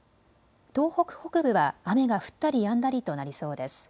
東北北部は雨が降ったりやんだりとなりそうです。